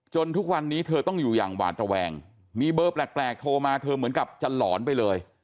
ทุกวันนี้เธอต้องอยู่อย่างหวาดระแวงมีเบอร์แปลกโทรมาเธอเหมือนกับจะหลอนไปเลย